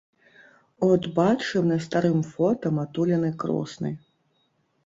От бачым на старым фота матуліны кросны!